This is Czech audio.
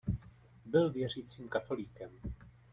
Byl věřícím katolíkem.